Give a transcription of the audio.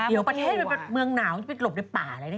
เดี๋ยวประเทศแบบเมืองหนาวจะไปหลบในป่าอะไรนะครับ